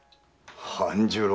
半十郎。